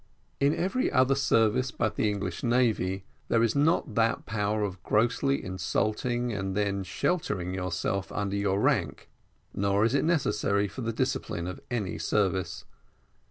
In every other service but the English navy there is not that power of grossly insulting and then sheltering yourself under your rank; nor is it necessary for the discipline of any service.